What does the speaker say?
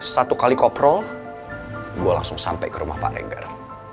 satu kali koprol gue langsung sampai ke rumah pak lengger